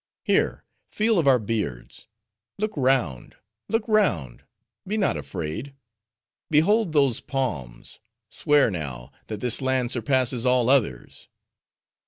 Here, feel of our beards. Look round; look round; be not afraid; Behold those palms; swear now, that this land surpasses all others.